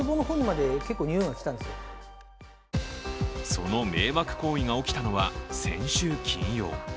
その迷惑行為が起きたのは先週金曜。